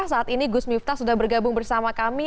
saat ini gus miftah sudah bergabung bersama kami